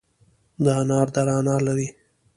د انار دره انار لري